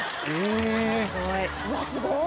うわすごい！